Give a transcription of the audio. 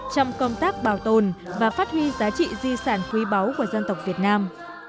trong công tác bảo tồn và phát huy giá trị di sản quý báu của dân tộc việt nam